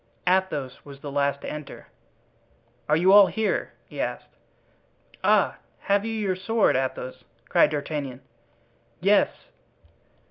Athos was the last to enter. "Are you all here?" he asked. "Ah! have you your sword, Athos?" cried D'Artagnan. "Yes."